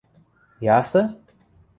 – Ясы?!